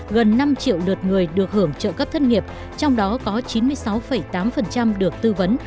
gần năm triệu lượt người được hưởng trợ cấp thất nghiệp trong đó có chín mươi sáu tám được tư vấn